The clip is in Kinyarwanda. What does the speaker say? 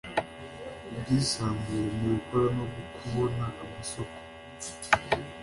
ubwisanzure mu gukora no kubona amasoko